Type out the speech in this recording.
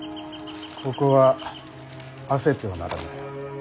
ここは焦ってはならぬ。